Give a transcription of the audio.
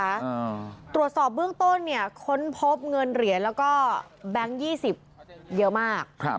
อ่าตรวจสอบเบื้องต้นเนี่ยค้นพบเงินเหรียญแล้วก็แบงค์ยี่สิบเยอะมากครับ